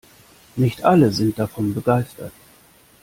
Nicht alle sind davon begeistert.